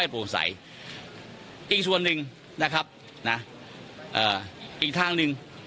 อีกส่วนหนึ่งนะครับอีกทางหนึ่ง